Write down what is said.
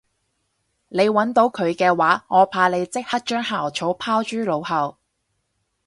你搵到佢嘅話我怕你即刻將校草拋諸腦後